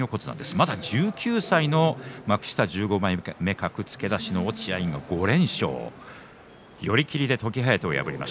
まだ１９歳の幕下１５枚目格付け出しの落合が５連勝です。